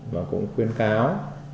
và cũng khuyên cáo